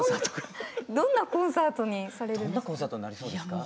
どんなコンサートにされるんですか？